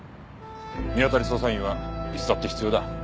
見当たり捜査員はいつだって必要だ。